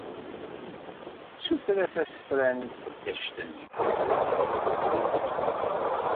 Ssuter-as asefran i tqeddact-nni.